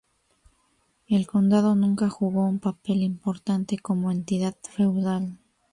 El condado nunca jugó un papel importante como entidad feudal.